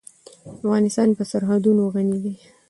افغانستان په سرحدونه غني دی.